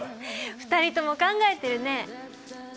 ２人とも考えてるね。